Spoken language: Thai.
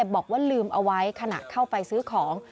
บอกว่าลืมเอาไว้ขณะเข้าไปซื้อของ